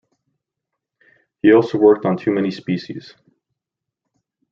He also worked on too many species.